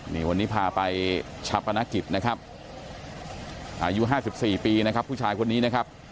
นี่วันนี้พาไปชาปนกิจนะครับอายุ๕๔ปีนะครับผู้ชายคนนี้นะครับ